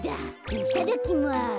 いただきます。